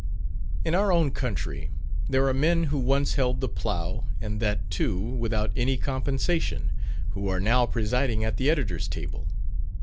In our own country, there are men who once held the plough, and that too without any compensation, who are now presiding at the editor's table.